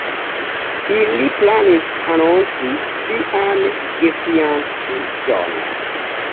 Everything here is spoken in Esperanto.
Ili planis anonci sian gefianĉiĝon.